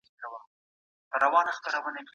تاسي ولي دغه خبره نه منئ؟